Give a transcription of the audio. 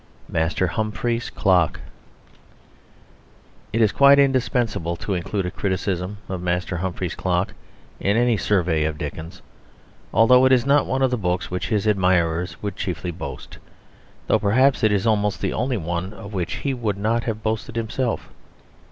MASTER HUMPHREY'S CLOCK It is quite indispensable to include a criticism of Master Humphrey's Clock in any survey of Dickens, although it is not one of the books of which his admirers would chiefly boast; although perhaps it is almost the only one of which he would not have boasted himself.